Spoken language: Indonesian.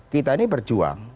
kita ini berjuang